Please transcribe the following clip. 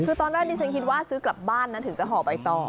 คือตอนแรกดิฉันคิดว่าซื้อกลับบ้านนะถึงจะห่อใบต่อ